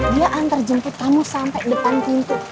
dia antar jemput kamu sampai depan pintu